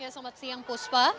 selamat siang puspa